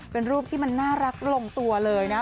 เป็นรูปน่ารักลงตัวเลย